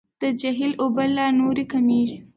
د جهیل اوبه لا نورې کمیږي.